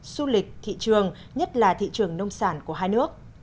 du lịch thị trường nhất là thị trường nông sản của hai nước